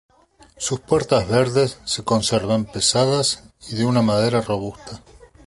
Sus puertas verdes se conservan, pesadas y de una madera robusta.